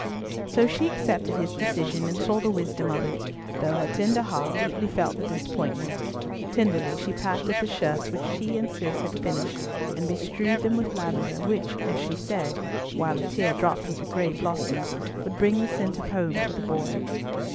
So she accepted his decision, and saw the wisdom of it, though her tender heart deeply felt the disappointment. Tenderly she packed up the shirts which she and Cis had finished, and bestrewed them with lavender, which, as she said, while a tear dropped with the gray blossoms, would bring the scent of home to the boy.